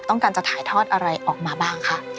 ต้องการจะถ่ายทอดอะไรออกมาบ้างคะ